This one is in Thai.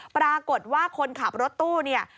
ปรากฏว่าคนขับรถตู้เนี่ย